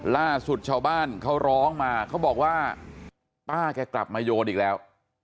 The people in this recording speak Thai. ล่าสุดชาวบ้านเขาร้องมาเขาบอกว่าป้าแกกลับมาโยนอีกแล้ว